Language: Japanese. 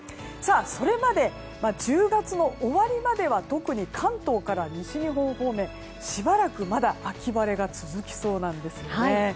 それまで、１０月の終わりまでは特に関東から西日本方面しばらくまだ秋晴れが続きそうなんですよね。